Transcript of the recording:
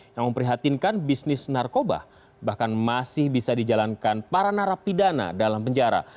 yang memprihatinkan bisnis narkoba bahkan masih bisa dijalankan para narapidana dalam penjara